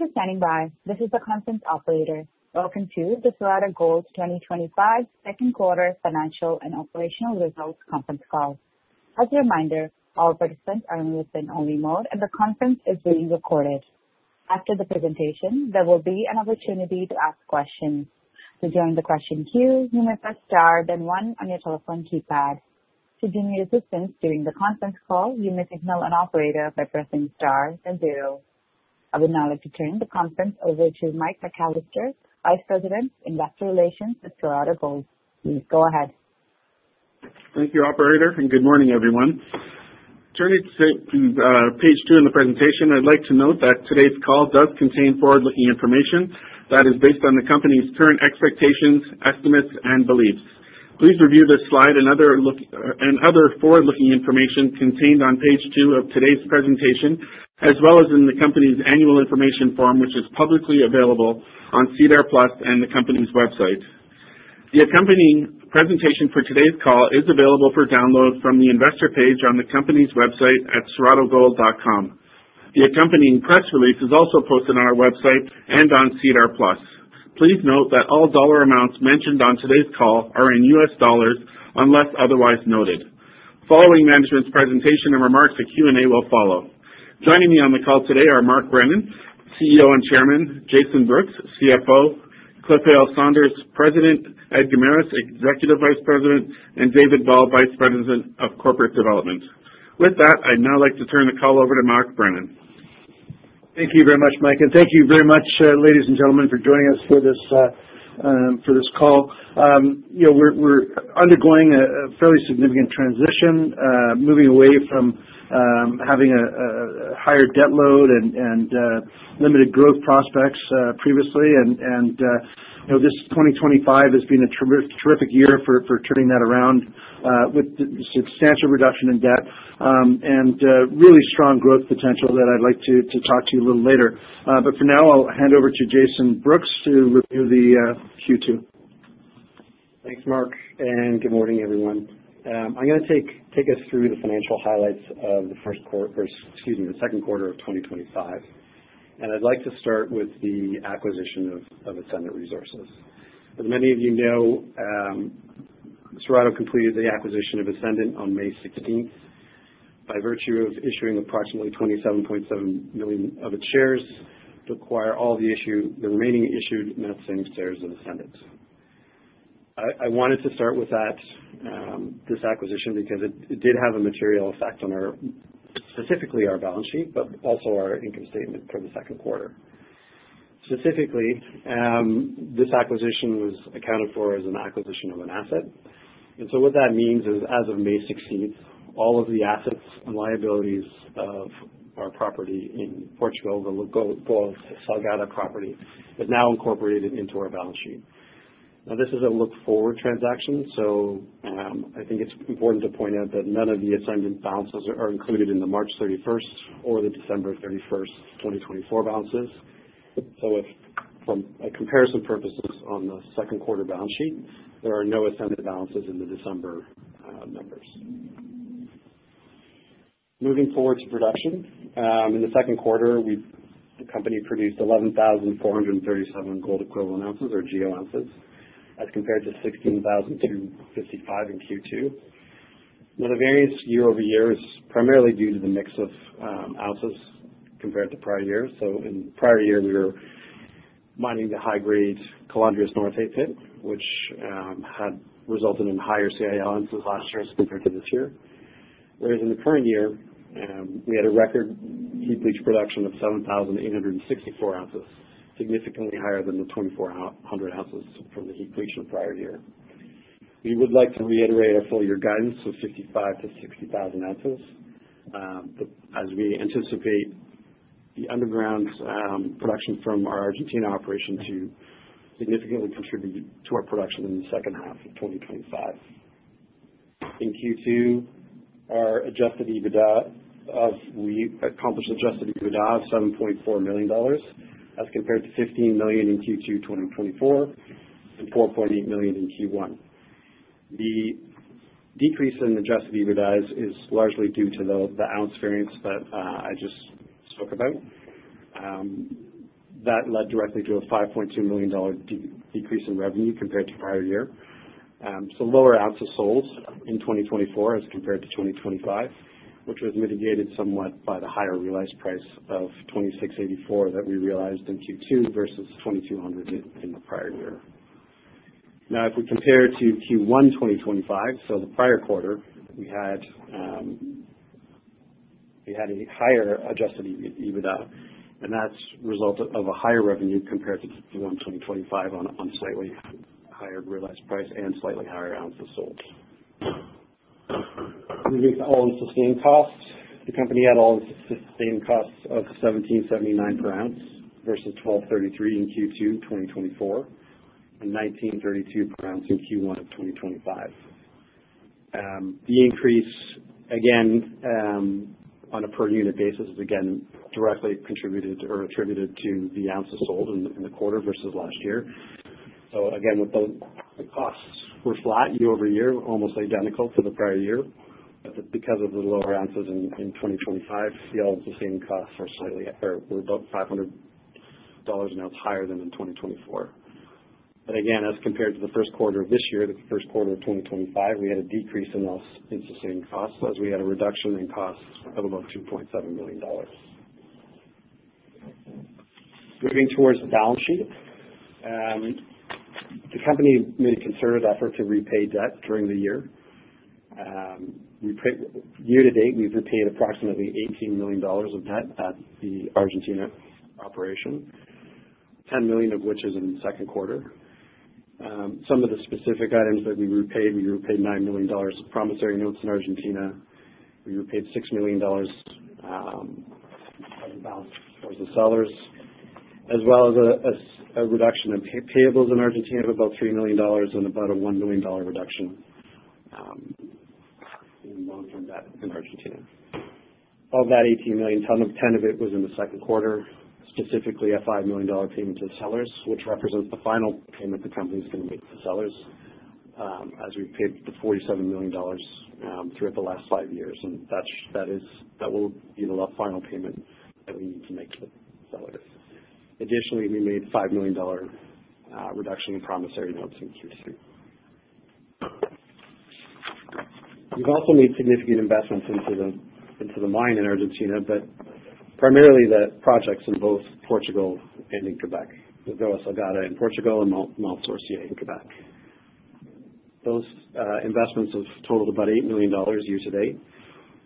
Thank you for standing by. This is the conference operator. Welcome to the Cerrado Gold 2025 Second Quarter Financial and Operational Results Conference Call. As a reminder, all participants are in a listen-only mode, and the conference is being recorded. After the presentation, there will be an opportunity to ask questions. To join the question queue, you may press star then one on your telephone keypad. To give me assistance during the conference call, you may signal an operator by pressing star then zero. I would now like to turn the conference over to Mike McAllister, Vice President, Investor Relations at Cerrado Gold. Please go ahead. Thank you, Operator, and good morning, everyone. Turning to page two in the presentation, I'd like to note that today's call does contain forward-looking information that is based on the company's current expectations, estimates, and beliefs. Please review this slide and other forward-looking information contained on page two of today's presentation, as well as in the company's Annual Information Form, which is publicly available on SEDAR+ and the company's website. The accompanying presentation for today's call is available for download from the investor page on the company's website at cerradogold.com. The accompanying press release is also posted on our website and on SEDAR+. Please note that all dollar amounts mentioned on today's call are in U.S. dollars unless otherwise noted. Following management's presentation and remarks, a Q&A will follow. Joining me on the call today are Mark Brennan, CEO and Chairman, Jason Brooks, CFO, Cliff Hale-Sanders, President, Ed Guimaraes, Executive Vice President, and David Ball, Vice President of Corporate Development. With that, I'd now like to turn the call over to Mark Brennan. Thank you very much, Mike, and thank you very much, ladies and gentlemen, for joining us for this call. We're undergoing a fairly significant transition, moving away from having a higher debt load and limited growth prospects previously. This 2025 has been a terrific year for turning that around with substantial reduction in debt and really strong growth potential that I'd like to talk to you a little later. But for now, I'll hand over to Jason Brooks to review the Q2. Thanks, Mark, and good morning, everyone. I'm going to take us through the financial highlights of the first quarter, excuse me, the second quarter of 2025. And I'd like to start with the acquisition of Ascendant Resources. As many of you know, Cerrado completed the acquisition of Ascendant on May 16th by virtue of issuing approximately 27.7 million of its shares to acquire all the remaining issued and outstanding shares of Ascendant. I wanted to start with this acquisition because it did have a material effect on specifically our balance sheet, but also our income statement for the second quarter. Specifically, this acquisition was accounted for as an acquisition of an asset. And so what that means is, as of May 16th, all of the assets and liabilities of our property in Portugal, the Lagoa Salgada property, is now incorporated into our balance sheet. Now, this is a look-forward transaction, so I think it's important to point out that none of the Ascendant balances are included in the March 31st or the December 31st, 2024 balances. So for comparison purposes on the second quarter balance sheet, there are no Ascendant balances in the December numbers. Moving forward to production, in the second quarter, the company produced 11,437 gold equivalent ounces, or GEO ounces, as compared to 16,255 in Q2. Now, the variance year-over-year is primarily due to the mix of ounces compared to prior years. So in the prior year, we were mining the high-grade Calandrias Norte pit, which had resulted in higher CIL ounces last year as compared to this year. Whereas in the current year, we had a record heap leach production of 7,864 ounces, significantly higher than the 2,400 ounces from the heap leach in the prior year. We would like to reiterate our full-year guidance of 55,000-60,000 ounces. As we anticipate the underground production from our Argentina operation to significantly contribute to our production in the second half of 2025. In Q2, our adjusted EBITDA, we accomplished adjusted EBITDA of $7.4 million as compared to $15 million in Q2 2024 and $4.8 million in Q1. The decrease in adjusted EBITDA is largely due to the ounce variance that I just spoke about. That led directly to a $5.2 million decrease in revenue compared to prior year. So lower ounces sold in 2024 as compared to 2025, which was mitigated somewhat by the higher realized price of $2,684 that we realized in Q2 versus $2,200 in the prior year. Now, if we compare to Q1 2025, so the prior quarter, we had a higher adjusted EBITDA, and that's the result of a higher revenue compared to Q1 2025 on a slightly higher realized price and slightly higher ounces sold. Moving to all-in sustaining costs, the company had all-in sustaining costs of $1,779 per ounce versus $1,233 in Q2 2024 and $1,932 per ounce in Q1 of 2025. The increase, again, on a per-unit basis, is again, directly attributed to the ounces sold in the quarter versus last year, so again, the costs were flat year-over-year, almost identical to the prior year, but because of the lower ounces in 2025, the all-ins sustained costs were about $500 an ounce higher than in 2024. But again, as compared to the first quarter of this year, the first quarter of 2025, we had a decrease in all-in sustaining costs as we had a reduction in costs of about $2.7 million. Moving towards the balance sheet, the company made a concerted effort to repay debt during the year. Year to date, we've repaid approximately $18 million of debt at the Argentina operation, $10 million of which is in the second quarter. Some of the specific items that we repaid, we repaid $9 million of promissory notes in Argentina. We repaid $6 million of the balance towards the sellers, as well as a reduction in payables in Argentina of about $3 million and about a $1 million reduction in long-term debt in Argentina. Of that $18 million, 10 of it was in the second quarter, specifically a $5 million payment to sellers, which represents the final payment the company's going to make to sellers as we've paid the $47 million throughout the last five years, and that will be the final payment that we need to make to sellers. Additionally, we made a $5 million reduction in promissory notes in Q2. We've also made significant investments into the mine in Argentina, but primarily the projects in both Portugal and in Quebec, the Lagoa Salgada in Portugal and Mont Sorcier in Quebec. Those investments have totaled about $8 million year to date,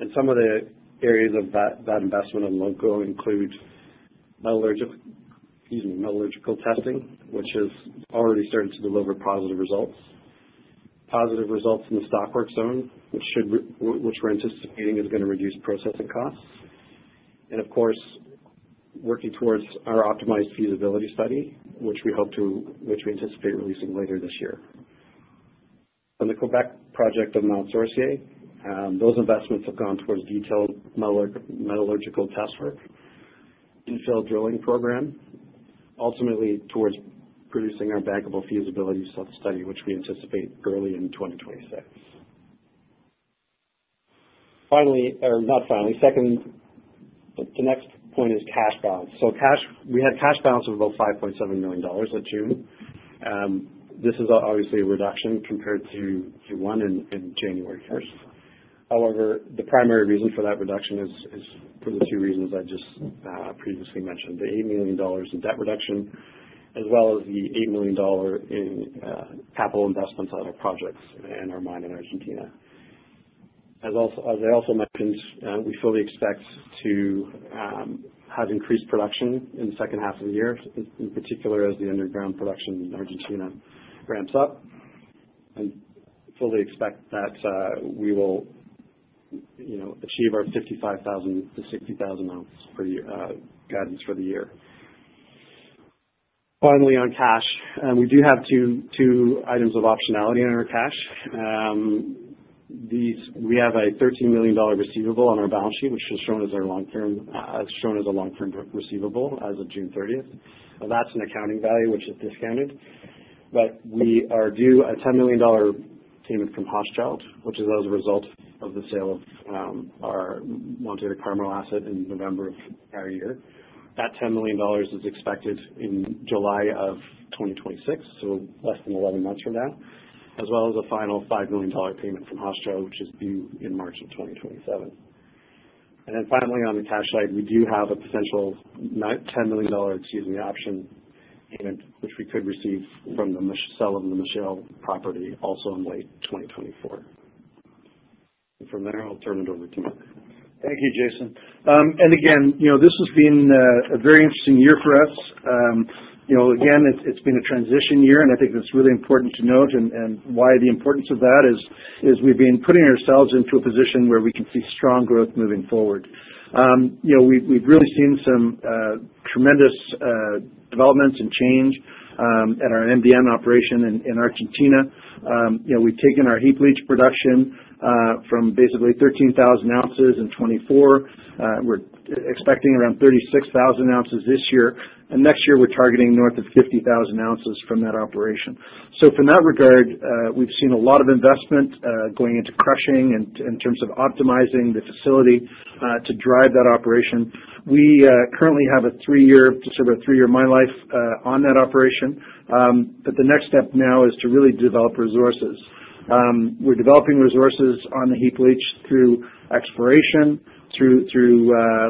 and some of the areas of that investment at Lagoa include metallurgical testing, which has already started to deliver positive results. Positive results in the stockwork zone, which we're anticipating is going to reduce processing costs. Of course, working towards our optimized feasibility study, which we anticipate releasing later this year. On the Quebec project of Mont Sorcier, those investments have gone towards detailed metallurgical test work, infill drilling program, ultimately towards producing our bankable feasibility study, which we anticipate early in 2026. Finally, or not finally, second, the next point is cash balance. We had cash balance of about $5.7 million at June. This is obviously a reduction compared to Q1 and January 1st. However, the primary reason for that reduction is for the two reasons I just previously mentioned: the $8 million in debt reduction, as well as the $8 million in capital investments on our projects and our mine in Argentina. As I also mentioned, we fully expect to have increased production in the second half of the year, in particular as the underground production in Argentina ramps up. We fully expect that we will achieve our 55,000-60,000 ounce guidance for the year. Finally, on cash, we do have two items of optionality on our cash. We have a $13 million receivable on our balance sheet, which is shown as a long-term receivable as of June 30th. Now, that is an accounting value, which is discounted. But we are due a $10 million payment from Hochschild, which is as a result of the sale of our Monte do Carmo asset in November of prior year. That $10 million is expected in July of 2026, so less than 11 months from now, as well as a final $5 million payment from Hochschild, which is due in March of 2027. Then, finally, on the cash side, we do have a potential $10 million, excuse me, option payment, which we could receive from the sale of the Michelle property also in late 2024. From there, I'll turn it over to Mark. Thank you, Jason. And again, this has been a very interesting year for us. Again, it's been a transition year, and I think it's really important to note. And why the importance of that is we've been putting ourselves into a position where we can see strong growth moving forward. We've really seen some tremendous developments and change at our MDN operation in Argentina. We've taken our heap leach production from basically 13,000 ounces in 2024. We're expecting around 36,000 ounces this year. And next year, we're targeting north of 50,000 ounces from that operation. So from that regard, we've seen a lot of investment going into crushing in terms of optimizing the facility to drive that operation. We currently have a three-year, just over a three-year mine life on that operation. But the next step now is to really develop resources. We're developing resources on the heap leach through exploration, through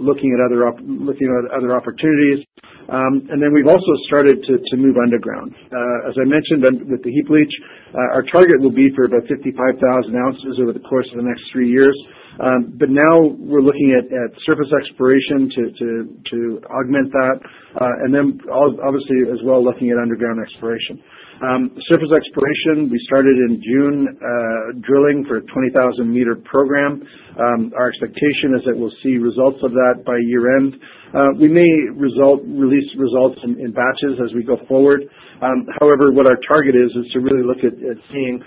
looking at other opportunities, and then we've also started to move underground. As I mentioned, with the heap leach, our target will be for about 55,000 ounces over the course of the next three years, but now we're looking at surface exploration to augment that, and then obviously, as well, looking at underground exploration. Surface exploration, we started in June drilling for a 20,000-meter program. Our expectation is that we'll see results of that by year-end. We may release results in batches as we go forward. However, what our target is, is to really look at seeing,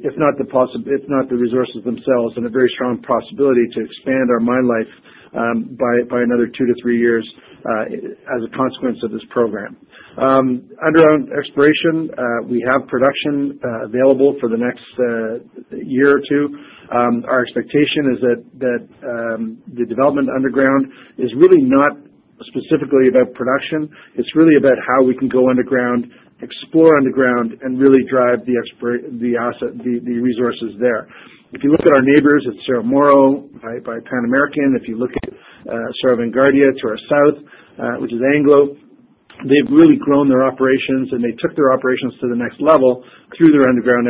if not the resources themselves, and a very strong possibility to expand our mine life by another two to three years as a consequence of this program. Underground exploration, we have production available for the next year or two. Our expectation is that the development underground is really not specifically about production. It's really about how we can go underground, explore underground, and really drive the resources there. If you look at our neighbors at Cerro Moro by Pan American, if you look at Cerro Vanguardia to our south, which is Anglo, they've really grown their operations, and they took their operations to the next level through their underground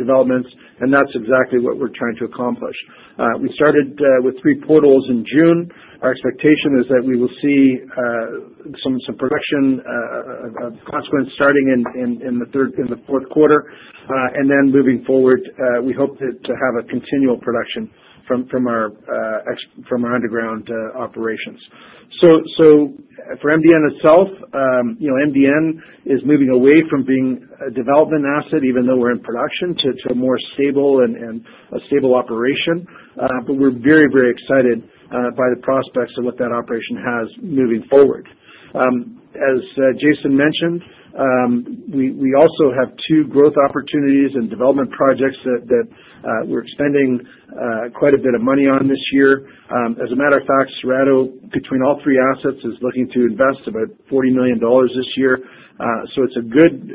developments, and that's exactly what we're trying to accomplish. We started with three portals in June. Our expectation is that we will see some production of consequence starting in the fourth quarter, and then moving forward, we hope to have a continual production from our underground operations, so for MDN itself, MDN is moving away from being a development asset, even though we're in production, to a more stable and a stable operation. But we're very, very excited by the prospects of what that operation has moving forward. As Jason mentioned, we also have two growth opportunities and development projects that we're expending quite a bit of money on this year. As a matter of fact, Cerrado, between all three assets, is looking to invest about $40 million this year. So it's a good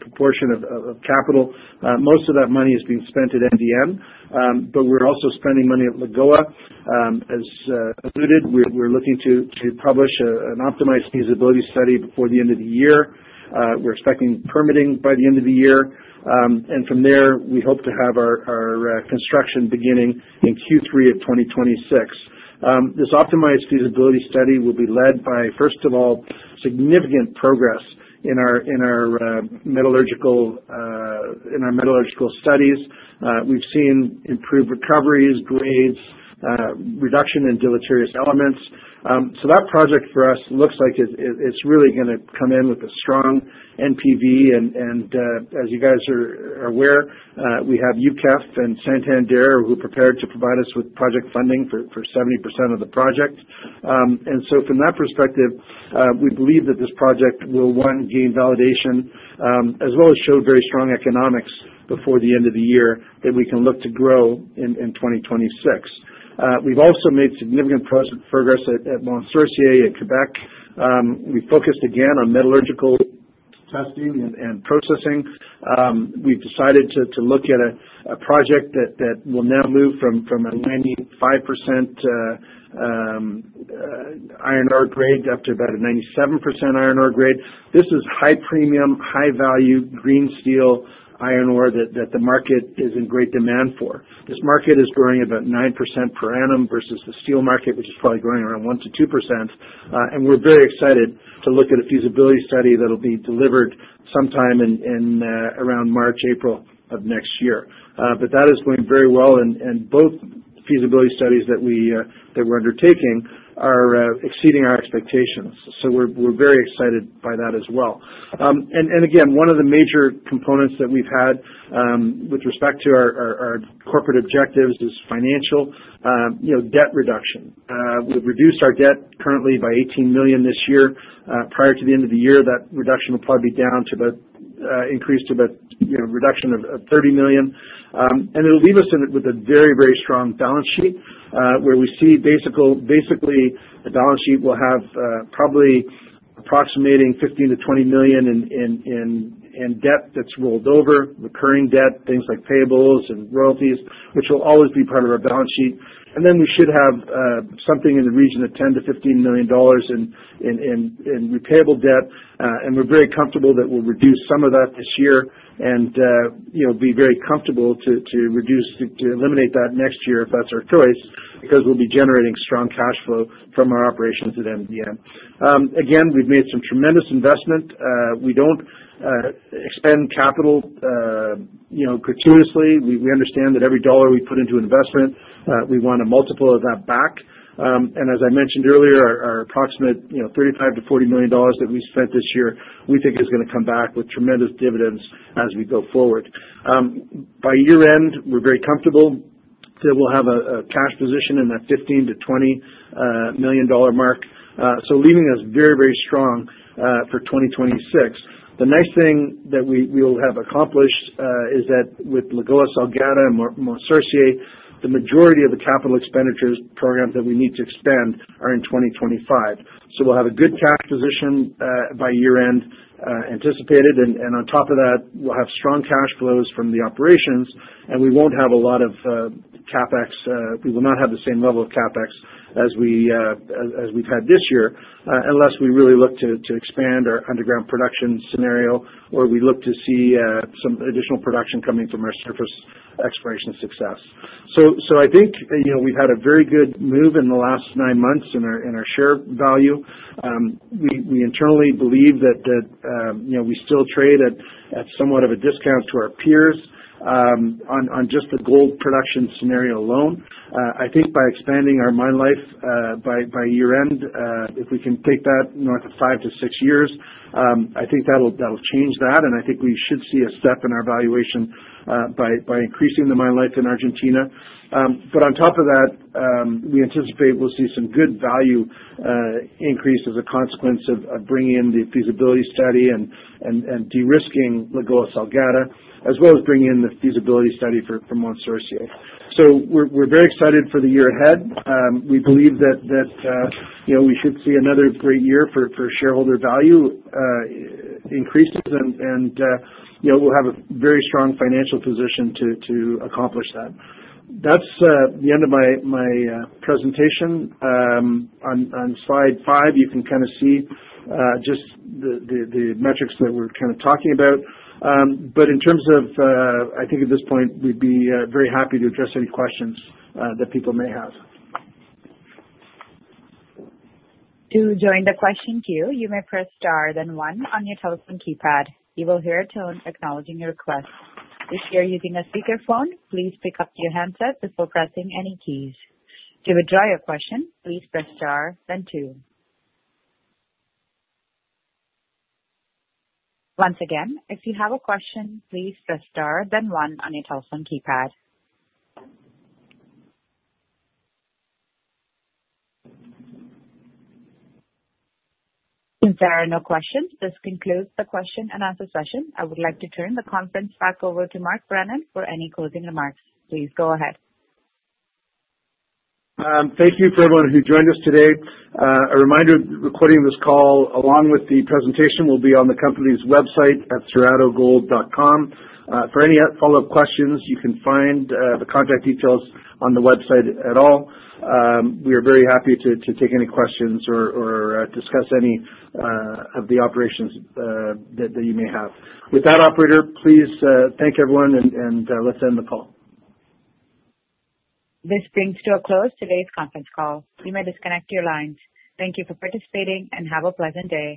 proportion of capital. Most of that money is being spent at MDN. But we're also spending money at Lagoa. As alluded, we're looking to publish an optimized feasibility study before the end of the year. We're expecting permitting by the end of the year. And from there, we hope to have our construction beginning in Q3 of 2026. This optimized feasibility study will be led by, first of all, significant progress in our metallurgical studies. We've seen improved recoveries, grades, reduction in deleterious elements. That project for us looks like it's really going to come in with a strong NPV. And as you guys are aware, we have UKEF and Santander who prepared to provide us with project funding for 70% of the project. And so from that perspective, we believe that this project will, one, gain validation, as well as show very strong economics before the end of the year that we can look to grow in 2026. We've also made significant progress at Mont Sorcier in Quebec. We focused again on metallurgical testing and processing. We've decided to look at a project that will now move from a 95% iron ore grade up to about a 97% iron ore grade. This is high-premium, high-value green steel iron ore that the market is in great demand for. This market is growing about 9% per annum versus the steel market, which is probably growing around 1%-2%, and we're very excited to look at a feasibility study that'll be delivered sometime in around March, April of next year, but that is going very well, and both feasibility studies that we're undertaking are exceeding our expectations, so we're very excited by that as well, and again, one of the major components that we've had with respect to our corporate objectives is financial debt reduction. We've reduced our debt currently by $18 million this year. Prior to the end of the year, that reduction will probably be down to about increased to about a reduction of $30 million. And it'll leave us with a very, very strong balance sheet where we see basically a balance sheet will have probably approximating $15-20 million in debt that's rolled over, recurring debt, things like payables and royalties, which will always be part of our balance sheet. And then we should have something in the region of $10-15 million in repayable debt. And we're very comfortable that we'll reduce some of that this year and be very comfortable to eliminate that next year if that's our choice because we'll be generating strong cash flow from our operations at MDN. Again, we've made some tremendous investment. We don't expend capital gratuitously. We understand that every dollar we put into investment, we want a multiple of that back. As I mentioned earlier, our approximate $35-$40 million that we spent this year, we think is going to come back with tremendous dividends as we go forward. By year-end, we're very comfortable that we'll have a cash position in that $15-$20 million mark, leaving us very, very strong for 2026. The nice thing that we will have accomplished is that with Lagoa Salgada and Mont Sorcier, the majority of the capital expenditures programs that we need to expand are in 2025. We'll have a good cash position by year-end anticipated. On top of that, we'll have strong cash flows from the operations. We won't have a lot of CapEx. We will not have the same level of CapEx as we've had this year unless we really look to expand our underground production scenario or we look to see some additional production coming from our surface exploration success. So I think we've had a very good move in the last nine months in our share value. We internally believe that we still trade at somewhat of a discount to our peers on just the gold production scenario alone. I think by expanding our mine life by year-end, if we can take that north of five to six years, I think that'll change that. And I think we should see a step in our valuation by increasing the mine life in Argentina. But on top of that, we anticipate we'll see some good value increase as a consequence of bringing in the feasibility study and de-risking Lagoa Salgada, as well as bringing in the feasibility study for Mont Sorcier. So we're very excited for the year ahead. We believe that we should see another great year for shareholder value increases. And we'll have a very strong financial position to accomplish that. That's the end of my presentation. On slide five, you can kind of see just the metrics that we're kind of talking about. But in terms of, I think at this point, we'd be very happy to address any questions that people may have. To join the question queue, you may press star then one on your telephone keypad. You will hear a tone acknowledging your request. If you are using a speakerphone, please pick up your handset before pressing any keys. To withdraw your question, please press star then two. Once again, if you have a question, please press star then one on your telephone keypad. Since there are no questions, this concludes the question and answer session. I would like to turn the conference back over to Mark Brennan for any closing remarks. Please go ahead. Thank you to everyone who joined us today. A reminder, the recording of this call along with the presentation will be on the company's website at cerradogold.com. For any follow-up questions, you can find the contact details on the website as well. We are very happy to take any questions or discuss any of the operations that you may have. With that, operator, please thank everyone and let's end the call. This brings to a close today's conference call. You may disconnect your lines. Thank you for participating and have a pleasant day.